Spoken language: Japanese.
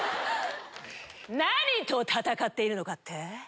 何と戦っているのかって？